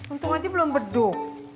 untung aja belum berduk